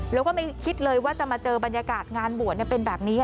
แล้วก็ไม่คิดเลยว่าจะมาเจอบรรยากาศงานบวชเป็นแบบนี้